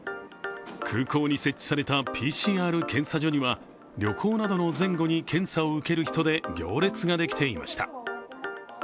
空港に設置されたＰＣＲ検査所には旅行などの前後に検査を受ける人で行列ができていました。